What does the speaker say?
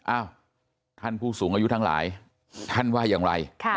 อ้าวท่านผู้สูงอายุทั้งหลายท่านว่าอย่างไร